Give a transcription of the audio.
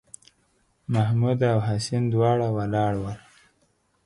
محمـود او حسين دواړه ولاړ ول.